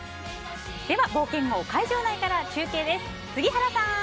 では冒険王の会場内から中継です！